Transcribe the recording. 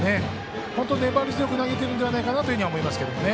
本当に粘り強く投げているのではないかと思います。